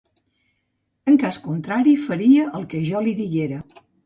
En cas contrari, faria el que jo li diguera.